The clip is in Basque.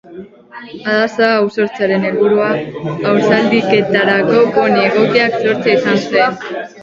Arraza hau sortzearen helburua haur-zaldiketarako poni egokiak sortzea izan zen.